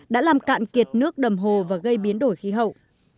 đã làm cạn kiệt nước đầm hồ và gây biến đổi khí hậu